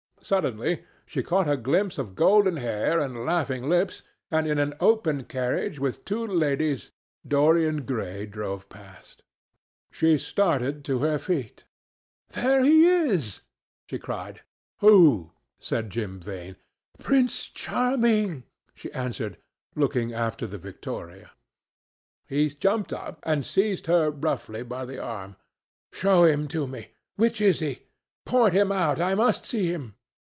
Suddenly she caught a glimpse of golden hair and laughing lips, and in an open carriage with two ladies Dorian Gray drove past. She started to her feet. "There he is!" she cried. "Who?" said Jim Vane. "Prince Charming," she answered, looking after the victoria. He jumped up and seized her roughly by the arm. "Show him to me. Which is he? Point him out. I must see him!"